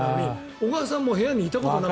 小川さんも部屋にいたことがない。